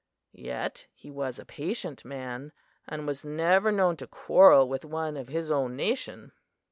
Yet he was a patient man, and was never known to quarrel with one of his own nation."